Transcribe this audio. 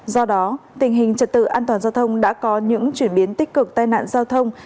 do đó tình hình trật tự an toàn giao thông đã có những chuyển biến tích cực tai nạn giao thông